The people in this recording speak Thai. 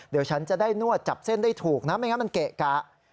เดี๋ยวฉันจะได้นวดจับเส้นได้ถูกนะไม่งั้นมันเกะกะ